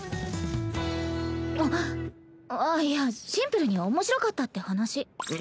あっいやシンプルに面白かったって話。